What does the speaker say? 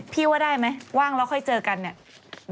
ว่าได้ไหมว่างแล้วค่อยเจอกันเนี่ย